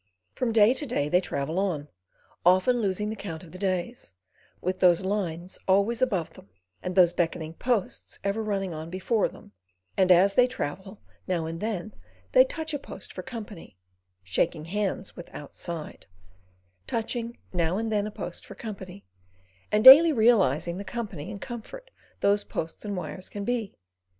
From day to day they travel on, often losing the count of the days, with those lines always above them, and those beckoning posts ever running on before them and as they travel, now and then they touch a post for company—shaking hands with Outside: touching now and then a post for company, and daily realising the company and comfort those posts and wires can be.